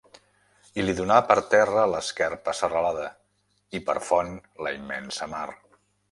I li donà per terra l'esquerpa serralada, i per font la immensa mar.